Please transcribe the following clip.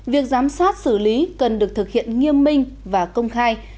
việc giám sát xử lý cần được thực hiện nghiêm minh và công khai